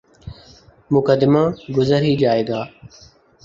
مقدمہ گزر ہی جائے گا۔